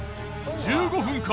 １５分か？